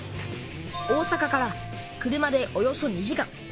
大阪から車でおよそ２時間。